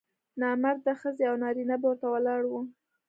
نامراده ښځې او نارینه به ورته ولاړ وو.